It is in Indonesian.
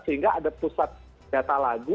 sehingga ada pusat data lagu